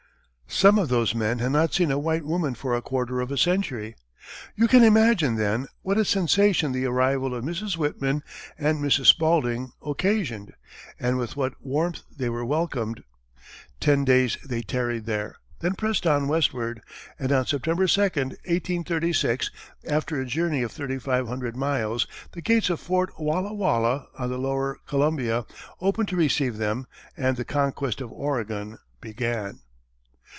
Some of those men had not seen a white woman for a quarter of a century. You can imagine, then, what a sensation the arrival of Mrs. Whitman and Mrs. Spalding occasioned, and with what warmth they were welcomed. Ten days they tarried there, then pressed on westward, and on September 2, 1836, after a journey of thirty five hundred miles, the gates of Fort Walla Walla, on the lower Columbia, opened to receive them, and the conquest of Oregon began.